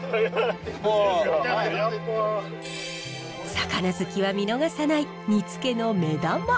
魚好きは見逃さない煮つけの目玉。